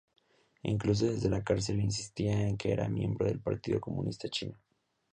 Incluso desde la cárcel insistía en que era miembro del Partido Comunista Chino.